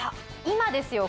今ですよ